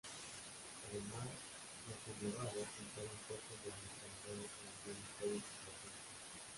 Además, los sublevados instalan puestos de ametralladoras en algunas calles importantes.